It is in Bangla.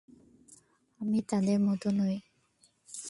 আমি তাদের মত নই।